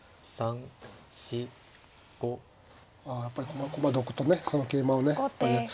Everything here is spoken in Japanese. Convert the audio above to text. あやっぱり駒得とねその桂馬をね。